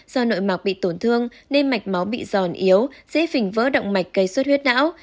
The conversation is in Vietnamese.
do nội mạc bị tổn thương nên mạch máu bị giòn yếu dễ phình vỡ động mạch cây suốt huyết não